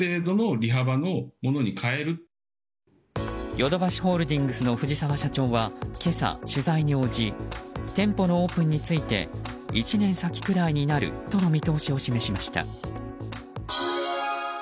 ヨドバシホールディングスの藤沢社長は今朝、取材に応じ店舗のオープンについて１年くらい先になるとの見通しを示しました。